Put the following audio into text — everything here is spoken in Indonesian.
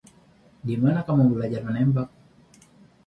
Di mana kamu belajar menembak?